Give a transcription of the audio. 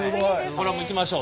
これはもういきましょう。